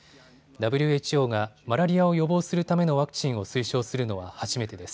ＷＨＯがマラリアを予防するためのワクチンを推奨するのは初めてです。